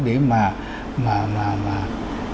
để mà giảm bớt